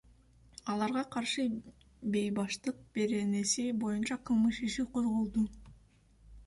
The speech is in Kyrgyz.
Аларга каршы Бейбаштык беренеси боюнча кылмыш иши козголду.